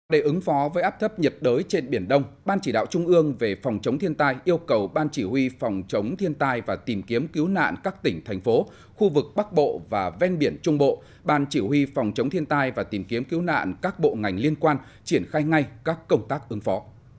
để ứng phó với áp thấp nhiệt đới trên biển đông ban chỉ đạo trung ương về phòng chống thiên tai yêu cầu ban chỉ huy phòng chống thiên tai và tìm kiếm cứu nạn các tỉnh thành phố khu vực bắc bộ và ven biển trung bộ ban chỉ huy phòng chống thiên tai và tìm kiếm cứu nạn các bộ ngành liên quan triển khai ngay các công tác ứng phó